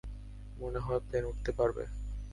মনে হয় প্লেন উড়তে পারবে।